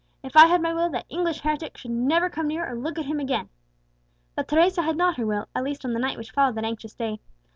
If I had my will, that English heretic should never come near or look at him again!" But Teresa had not her will, at least on the night which followed that anxious day.